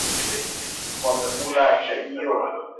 Wamekula chajio